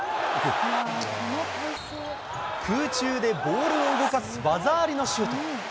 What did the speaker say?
空中でボールを動かす技ありのシュート。